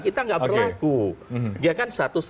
kita tidak berlaku